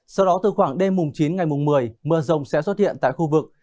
sau đó từ khoảng đêm mùng chín ngày mùng một mươi mưa rông sẽ xuất hiện tại khu vực